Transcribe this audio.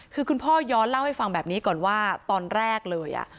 คือคุณพ่อย้อนเล่าให้ฟังแบบนี้ก่อนว่าตอนแรกเลย